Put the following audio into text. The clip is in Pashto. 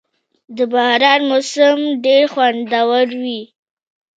• د باران موسم ډېر خوندور وي.